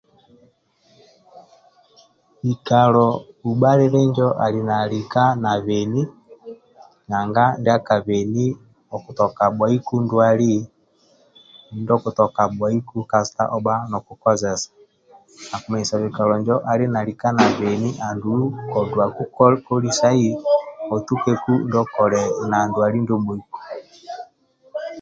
Kikalo ubhalili njo ali nalika na beni nanga ndiaka beni okutoka bhuwaiku ndwali ndiokutoka bhuwaku kasita obha nokukozesa. Akumanyisa bikalo njo ali nalika na beni andulu koduwaku kolisai otukeku ndiokoli na ndwali ndio bhoiku.